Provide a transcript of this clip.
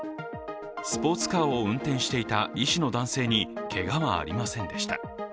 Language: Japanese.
スポーツカーを運転していた医師の男性にけがはありませんでした。